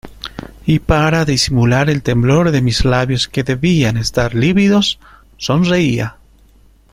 y para disimular el temblor de mis labios que debían estar lívidos, sonreía.